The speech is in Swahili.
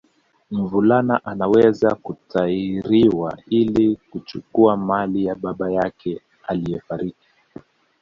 Mvulana anaweza kutahiriwa ili kuchukua mali ya baba yake aliyefariki